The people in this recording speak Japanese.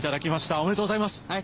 おめでとうございます。